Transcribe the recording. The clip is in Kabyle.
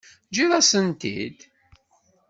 Teǧǧiḍ-as-tent-id.